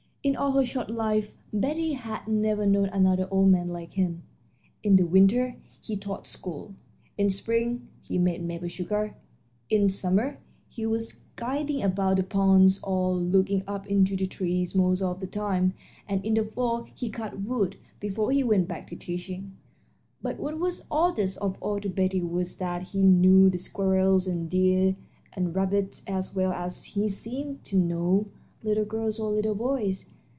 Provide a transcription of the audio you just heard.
In all her short life Betty had never known another old man like him. In the winter he taught school; in spring he made maple sugar; in summer he was guiding about the ponds or looking up into the trees most of the time; and in the fall he cut wood before he went back to teaching; but what was oddest of all to Betty was that he knew the squirrels and deer and rabbits as well as he seemed to know little girls or little boys.